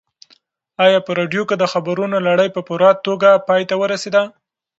ایا په راډیو کې د خبرونو لړۍ په پوره توګه پای ته ورسېده؟